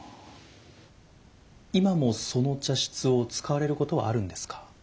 今もその茶室を使われることはあるんですか？